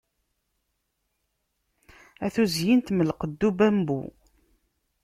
A tuzyint mm lqedd ubambu